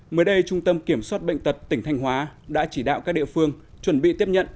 mới đây trung tâm kiểm soát bệnh tật tỉnh thanh hóa đã chỉ đạo các địa phương chuẩn bị tiếp nhận